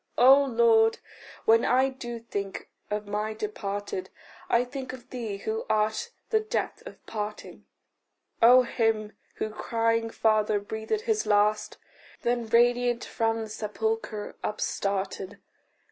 O Lord, when I do think of my departed, I think of thee who art the death of parting; Of him who crying Father breathed his last, Then radiant from the sepulchre upstarted.